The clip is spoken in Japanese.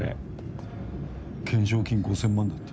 懸賞金５０００万だって。